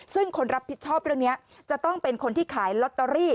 ซึ่งคนรับผิดชอบเรื่องนี้จะต้องเป็นคนที่ขายลอตเตอรี่